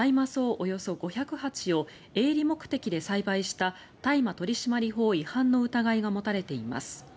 およそ５００鉢を営利目的で栽培した大麻取締法違反の疑いが持たれています。